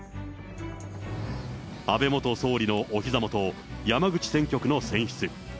安倍元総理のおひざ元、山口選挙区の選出。